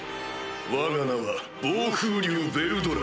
我が名は暴風竜ヴェルドラ。